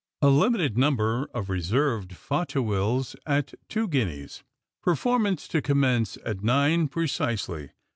A limited Number of Reserved Fauteuils at Two Guineas. Performance to commence at nine precisely.